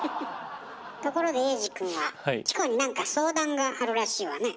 ところで衛二くんはチコになんか相談があるらしいわね。